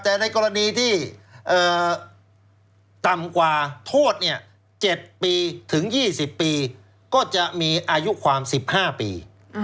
แต่ในกรณีที่ต่ำกว่าโทษ๗ปีถึง๒๐ปีก็จะมีอายุความ๑๕ปี